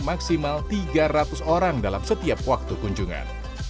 maksimal tiga ratus orang dalam setiap waktu kunjungan